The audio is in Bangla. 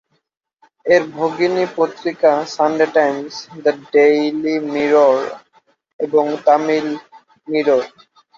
এর ভগিনী পত্রিকা "Sunday Times", "the Daily Mirror" এবং "তামিল মিরর"।